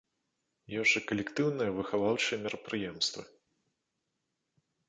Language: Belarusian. Ёсць жа калектыўныя выхаваўчыя мерапрыемствы.